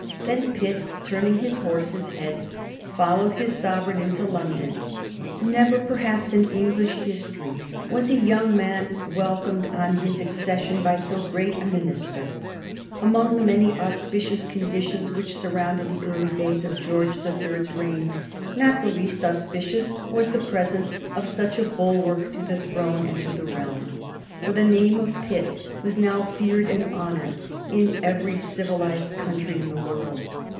Then Pitt, turning his horses' heads, followed his sovereign into London. Never perhaps in English history was a young king welcomed on his accession by so great a minister. Among the many auspicious conditions which surrounded the early days of George the Third's reign not the least auspicious was the presence of such a bulwark to the throne and to the realm. For the name of Pitt was now feared and honored in every civilized country in the world.